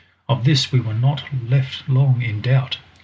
Of this we were not left long in doubt.